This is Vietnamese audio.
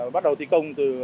bắt đầu thi công từ